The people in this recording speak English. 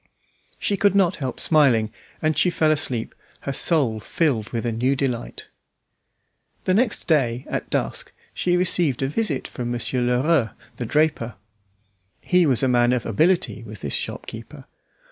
She could not help smiling, and she fell asleep, her soul filled with a new delight. The next day, at dusk, she received a visit from Monsieur Lherueux, the draper. He was a man of ability, was this shopkeeper.